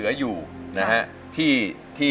ขอบคุณกะล่ะ